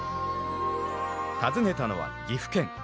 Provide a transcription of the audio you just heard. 訪ねたのは岐阜県。